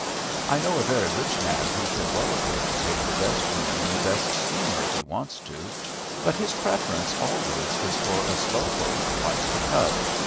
I know a very rich man who can well afford to take the best room in the best steamer if he wants to, but his preference always is for a slow boat like The Tub.